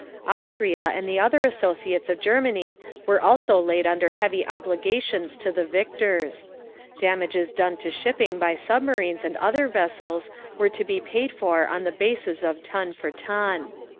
Austria and the other associates of Germany were also laid under heavy obligations to the victors. Damages done to shipping by submarines and other vessels were to be paid for on the basis of ton for ton.